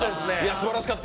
すばらしかった！